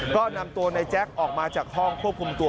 ก็นำตัวในแจ๊คออกมาจากห้องควบคุมตัว